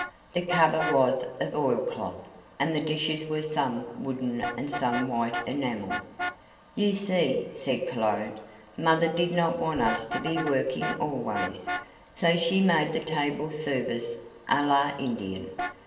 The cover was of oilcloth, and the dishes were some wooden and some white enamel. "You see," said Cologne, "Mother did not want us to be working always, so she made the table service a la Indian.